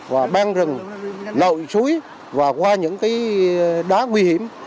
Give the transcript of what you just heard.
và ban rừng nội suối và qua những cái đá nguy hiểm